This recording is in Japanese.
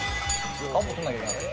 アポ取んなきゃいけない。